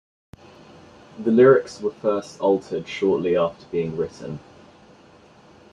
The lyrics were first altered shortly after being written.